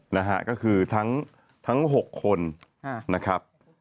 นะฮะก็คือทั้ง๖คนนะครับ